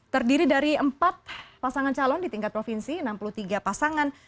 terdiri dari empat pasangan calon di tingkat provinsi enam puluh tiga pasangan